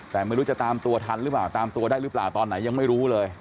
แต่ไม่รู้จะตามตัวทันหรือเปล่าตามตัวได้หรือเปล่าตอนไหนยังไม่รู้เลย